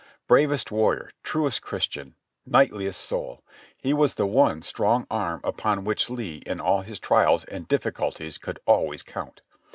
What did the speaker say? Bravest warrior ! Truest Christian ! Knightliest soul! His was the one strong arm upon which Lee in all his trials and difficulties could always count.